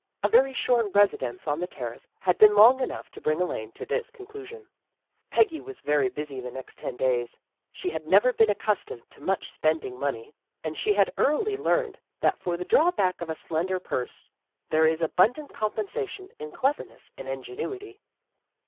A very short residence on the Terrace had been long enough to bring Elaine to this conclusion. Peggy was very busy the next ten days. She had never been accustomed to much spending money, and she had early learned that for the drawback of a slender purse there is abundant compensation in cleverness and ingenuity.